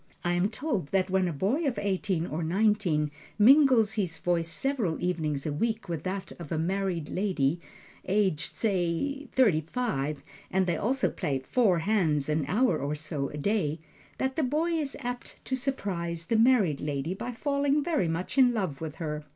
I am told that when a boy of eighteen or nineteen mingles his voice several evenings a week with that of a married lady aged, say, thirty five, and they also play "four hands" an hour or so a day, that the boy is apt to surprise the married lady by falling very much in love with her.